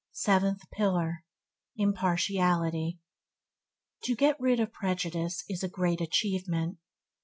8. Seventh pillar – Impartiality To get rid of prejudice is a great achievement.